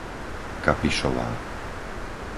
Kapišová